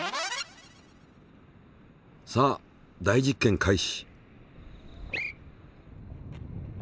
さあ大実験開始。